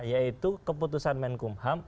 yaitu keputusan menkumham